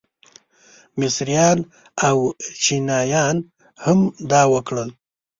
مصریان او چینیان هم دا وکړل.